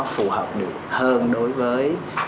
phù hợp được hơn đối với